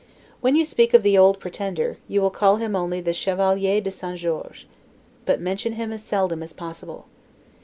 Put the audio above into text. When you speak of the old Pretender, you will call him only the Chevalier de St. George; but mention him as seldom as possible.